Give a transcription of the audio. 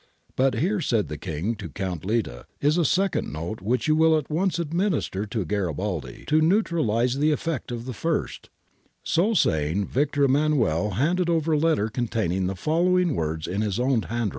But here, said the King to Count Litta, is a second note which you will at once administer to Garibaldi 'to neutralize the effect of the first.' So saying Victor Emmanuel handed over a letter containing the following words in his own handwriting :—^ See Cavour's letters of these weeks.